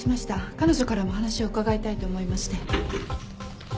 彼女からもお話を伺いたいと思いまして。